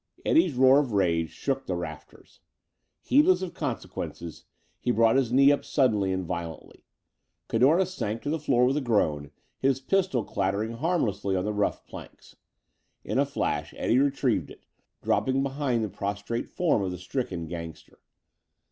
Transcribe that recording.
Eddie's roar of rage shook the rafters. Heedless of consequences, he brought his knee up suddenly and violently. Cadorna sank to the floor with a groan, his pistol clattering harmlessly on the rough planks. In a flash Eddie retrieved it, dropping behind the prostrate form of the stricken gangster.